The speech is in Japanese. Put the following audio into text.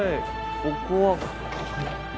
ここは。